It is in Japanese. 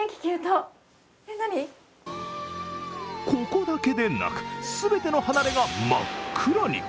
ここだけでなく、全ての離れが真っ暗に。